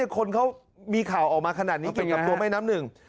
คนเค้ามีข่าวออกมาขนาดนี้เก็บกับเท่าแม่น้ำหนึ่ง